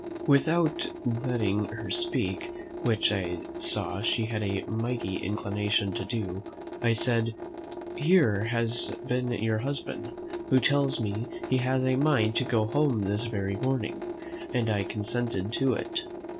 Without letting her speak, which I saw she had a mighty inclination to do, I said, "Here has been your husband, who tells me he has a mind to go home this very morning, and I have consented to it."